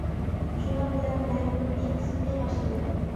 شۇنىڭ بىلەن مەن «ب» قىسمىنى باشلىدىم.